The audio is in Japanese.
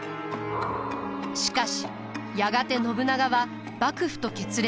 しかしやがて信長は幕府と決裂。